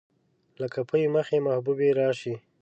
لکه پۍ مخې محبوبې راشي